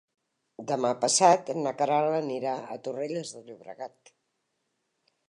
Demà passat na Queralt anirà a Torrelles de Llobregat.